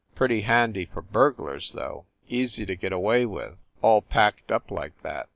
"Pretty handy for burglars, though. Easy to get away with. All packed up like that."